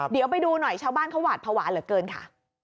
เดี๋ยวไปดูหน่อยชาวบ้านเขาหวาดภาวะเหลือเกินค่ะ